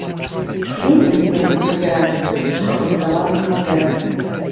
Цвіль на сценах прыбіральні толькі што пабудаванай кватэры.